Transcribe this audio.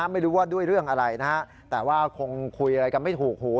ไม่รู้ว่าด้วยเรื่องอะไรนะฮะแต่ว่าคงคุยอะไรกันไม่ถูกหู